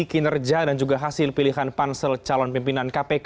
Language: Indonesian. kinerja dan juga hasil pilihan pansel calon pimpinan kpk